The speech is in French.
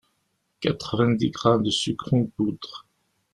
Quatre-vingt-dix grammes de sucre en poudre.